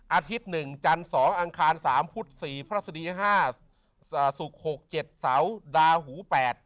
อาทิตย์๑จันทร์๒อังคาร๓พุธ๔พระราชดี๕ศุกร์๖๗เสาดาหู๘